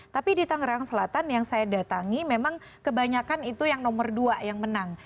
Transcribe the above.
tapi di tangerang selatan yang saya datangi memang kebanyakan itu yang nomor dua yang menang